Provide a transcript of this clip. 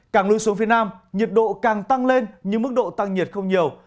càng lưu xuống phía nam nhiệt độ càng tăng lên nhưng mức độ tăng nhiệt không nhiều